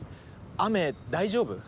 雨大丈夫？